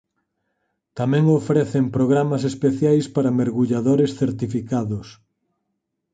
Tamén ofrecen programas especiais para mergulladores certificados.